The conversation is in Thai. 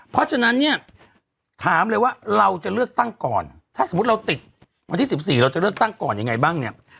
เพราะฉะนั้นเนี่ยถามเลยว่าเราจะเลือกตั้งก่อนถ้าสมมุติเราติดวันที่๑๔เราจะเลือกตั้งก่อนยังไงบ้างเนี่ย